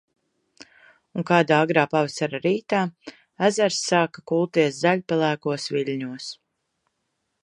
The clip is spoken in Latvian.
Un kādā agrā pavasara rītā, ezers sāka kulties zaļpelēkos viļņos.